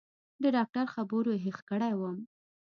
د ډاکتر خبرو هېښ کړى وم.